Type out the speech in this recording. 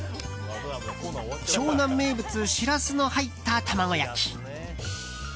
湘南名物シラスの入った卵焼き。